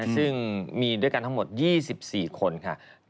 ซึ่งมีด้วยกันทั้งหมด๒๔คนค่ะ